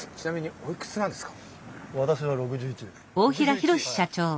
おいくつですか。